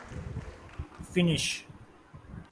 Finnish